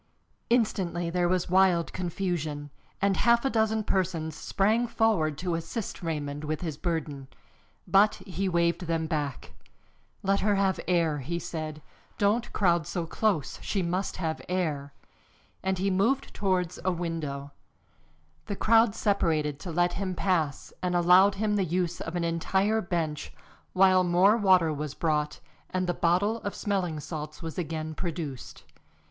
Instantly there was wild confusion, and half a dozen persons sprang forward to assist Raymond with his burden. But he waved them back. "Let her have air," he said. "Don't crowd so close. She must have air," and he moved towards a window. The crowd separated to let him pass and allowed him the use of an entire bench, while more water was brought and the bottle of smelling salts was again produced.